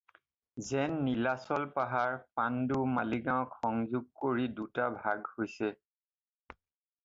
যেনে নীলাচল পাহাৰ, পাণ্ডু, মালিগাঁওক সংযোগ কৰি দুটা ভাগ হৈছে।